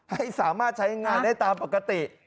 ให้สามารถใช้งานได้ตามปกติ